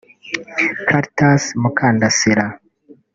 Cartas Mukandasira